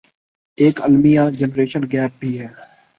ایک المیہ generation gap بھی ہے